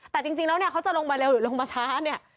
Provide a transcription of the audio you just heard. แต่จริงแล้วเนี่ยเขาจะลงมาเร็วหรือลงมาช้าเนี่ย